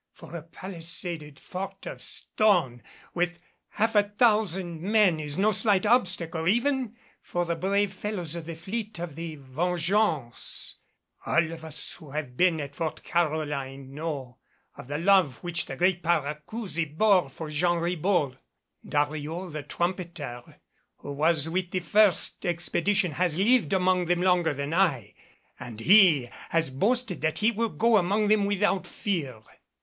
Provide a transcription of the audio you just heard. For a palisaded fort of stone with half a thousand men is no slight obstacle even for the brave fellows of the fleet of the Vengeance." "All of us who have been at Fort Caroline know of the love which the great Paracousi bore for Jean Ribault. Dariol, the trumpeter, who was with the first expedition, has lived among them longer than I; and he has boasted that he will go among them without fear."